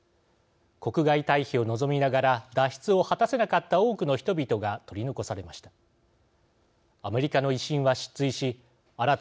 国外退避を望みながら脱出を果たせなかった多くの人々が取り残されました。